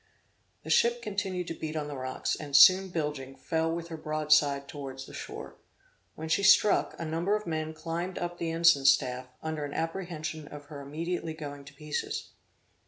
The ship continued to beat on the rocks, and soon bilging, fell with her broadside towards the shore. When she struck, a number of men climbed up the ensign staff, under an apprehension of her immediately going to pieces.